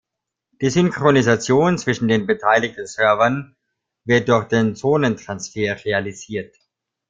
Die Synchronisation zwischen den beteiligten Servern wird durch den "Zonentransfer" realisiert.